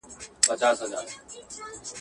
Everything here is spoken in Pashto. میخانه ده نړېدلې تش له میو ډک خُمونه.